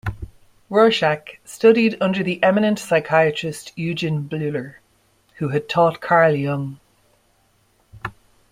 Rorschach studied under the eminent psychiatrist Eugen Bleuler, who had taught Carl Jung.